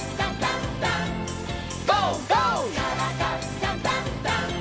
「からだダンダンダン」